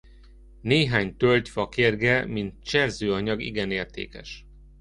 Néhány tölgyfa kérge mint cserzőanyag igen értékes.